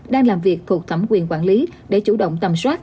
đang làm việc thuộc thẩm quyền quản lý để chủ động tầm soát